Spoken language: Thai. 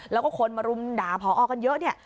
แล้วก็คนมารุมด่าพอกันเยอะเนี่ย